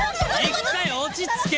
一回落ち着け！